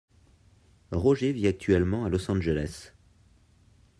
Roger vit actuellement à Los Angeles.